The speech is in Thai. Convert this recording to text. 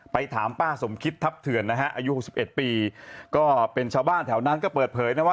ถามป้าสมคิตทัพเถื่อนนะฮะอายุ๖๑ปีก็เป็นชาวบ้านแถวนั้นก็เปิดเผยนะว่า